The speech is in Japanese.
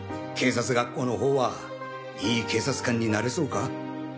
警察学校のほうはいい警察官になれそうか？